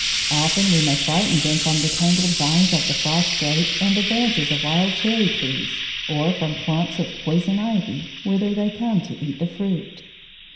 Often we may frighten them from the tangled vines of the frost grape and the branches of wild cherry trees, or from clumps of poison ivy, whither they come to eat the fruit.